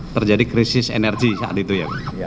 terjadi krisis energi saat itu ya